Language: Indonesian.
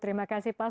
terima kasih pak